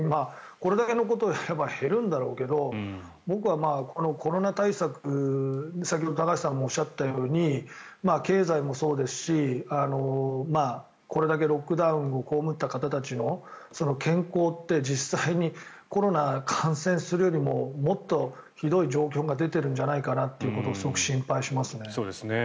これだけのことをやれば減るんだろうけど僕はコロナ対策、先ほど高橋さんもおっしゃったように経済もそうですし、これだけロックダウンを被った方たちの健康って実際にコロナ感染するよりももっとひどい状況が出ているんじゃないかなということをすごく心配しますね。